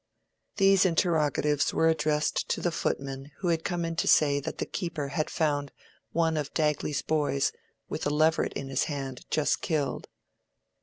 These interrogatives were addressed to the footman who had come in to say that the keeper had found one of Dagley's boys with a leveret in his hand just killed.